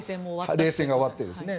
冷戦が終わってですね。